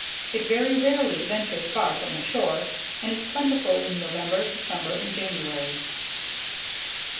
It very rarely ventures far from the shore, and is plentiful in November, December, and January.